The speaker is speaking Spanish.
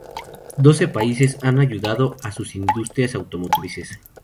Doce países han ayudado a sus industrias automotrices.